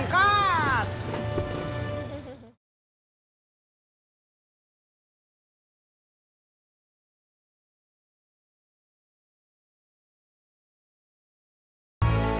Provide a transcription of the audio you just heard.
kenapa satu tanpa yang bangga